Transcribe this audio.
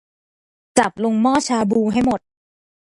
จับลงหม้อชาบูให้หมด